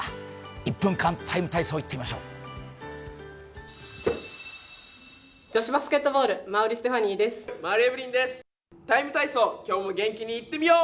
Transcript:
１分間ＴＩＭＥ，体操いってみましょう。